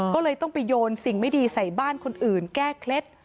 ก็เลยต้องไปโยนสิ่งไม่ดีใส่บ้านคนอื่นแก้เคล็ด